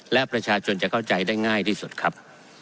แต่เข้าใจได้ง่ายที่สุดครับ